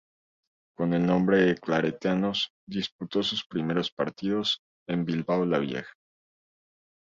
Con el nombre de Claretianos, disputó sus primeros partidos en Bilbao La Vieja.